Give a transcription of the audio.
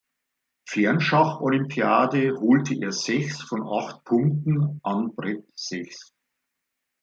Fernschach-Olympiade holte er sechs von acht Punkten an Brett sechs.